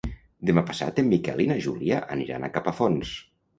Demà passat en Miquel i na Júlia aniran a Capafonts.